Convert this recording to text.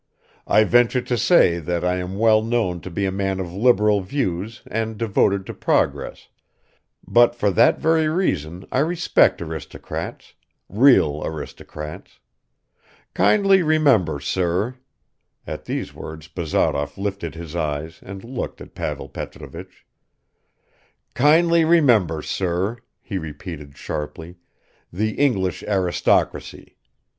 I venture to say that I am well known to be a man of liberal views and devoted to progress, but for that very reason I respect aristocrats real aristocrats. Kindly remember, sir," (at these words Bazarov lifted his eyes and looked at Pavel Petrovich) "kindly remember, sir," he repeated sharply, "the English aristocracy.